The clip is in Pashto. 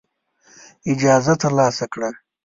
اجازه ترلاسه کړه.